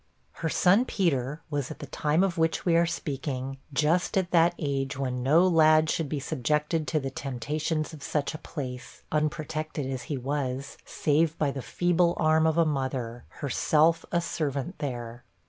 Her son Peter was, at the time of which we are speaking, just at that age when no lad should be subjected to the temptations of such a place, unprotected as he was, save by the feeble arm of a mother, herself a servant there.